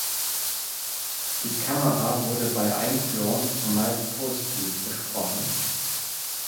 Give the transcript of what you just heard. Die Kamera wurde bei Einführung zumeist positiv besprochen.